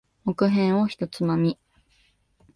木片を一つまみ。